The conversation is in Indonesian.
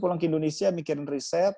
pulang ke indonesia mikirin riset